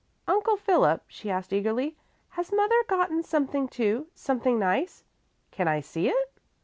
"Uncle Philip," she asked eagerly, "has mother gotten something, too, something nice? Can I see it?"